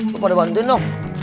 lo pada bantuin dong